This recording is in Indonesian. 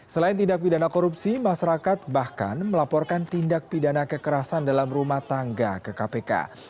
selain tindak pidana korupsi masyarakat bahkan melaporkan tindak pidana kekerasan dalam rumah tangga ke kpk